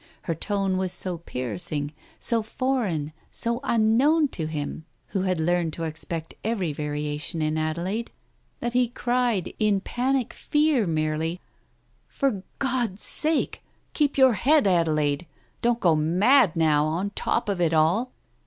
Her tone was so piercing, so foreign, so unknown to him, who had learned to expect every variation in Adelaide, that he cried, in panic fear merely — "For God's sake, keep your head, Adelaide I Don't go mad now, on top of it all